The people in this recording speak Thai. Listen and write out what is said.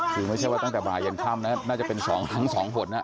คือไม่ใช่ว่าตั้งแต่บ่ายันค่ำนะน่าจะเป็นทั้งสองคนนะ